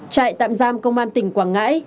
trại tạm giam công an tỉnh quảng ngãi